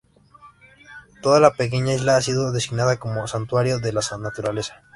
Toda la pequeña isla ha sido designada como santuario de la naturaleza.